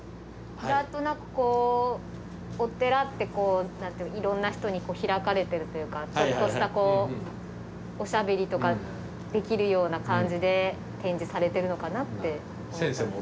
なんとなくお寺っていろんな人に開かれてるというかちょっとしたおしゃべりとかできるような感じで展示されてるのかなって思ったんですけど。